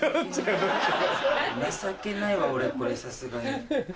情けないわ俺これさすがに。